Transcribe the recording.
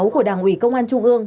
của đảng ủy công an trung ương